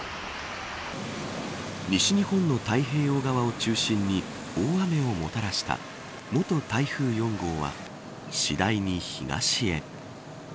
西日本の太平洋側を中心に大雨をもたらした元台風４号は次第に東へ。